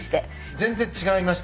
全然違いました？